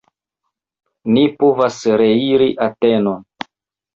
Ni povas reiri Atenon!